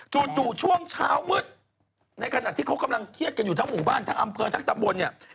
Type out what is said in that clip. จู่ช่วงเช้ามืดในขณะที่เขากำลังเครียดกันอยู่ทั้งหมู่บ้านทั้งอำเภอทั้งตำบลเนี่ย